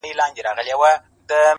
گراني راته راکړه څه په پور باڼه _